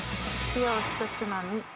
塩をひとつまみ。